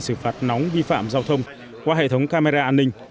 xử phạt nóng vi phạm giao thông qua hệ thống camera an ninh